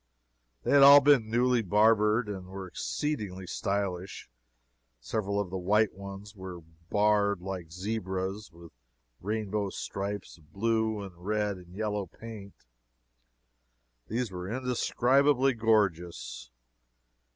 They had all been newly barbered, and were exceedingly stylish. Several of the white ones were barred like zebras with rainbow stripes of blue and red and yellow paint. These were indescribably gorgeous.